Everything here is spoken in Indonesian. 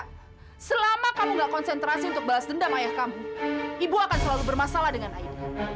ayo selama kamu gak konsentrasi untuk balas dendam ayah kamu ibu akan selalu bermasalah dengan ayahmu